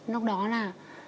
lúc đó là